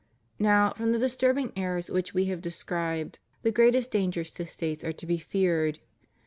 Now, from the disturbing errors which We have de scribed the greatest dangers to States are to be feared.